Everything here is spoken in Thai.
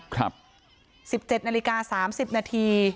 ครับสิบเจ็ดนาฬิกาสามสิบนาที